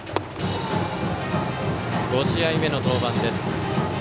５試合目の登板です。